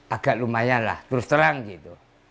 agak lumayan lah terus terang gitu